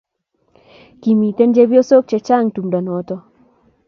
Kimitei chepyosok chechang tumdo noto